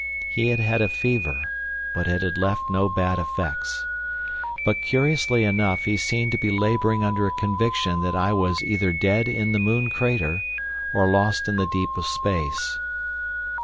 He had had a fever, but it had left no bad effects. But curiously enough he seemed to be labouring under a conviction that I was either dead in the moon crater or lost in the deep of space.